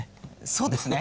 そうですね！